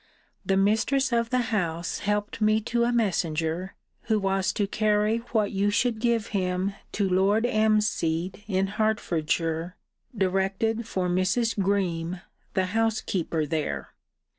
The mistress of the house helped me to a messenger, who was to carry what you should give him to Lord M.'s seat in Hertfordshire, directed for Mrs. Greme, the housekeeper there.